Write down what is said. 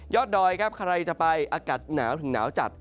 ยอดดอยใครจะไปอากาศหนาถึงหนาวจัด